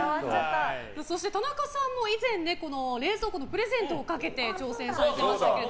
そして田中さんも以前冷蔵庫のプレゼントをかけて挑戦されてましたけれども。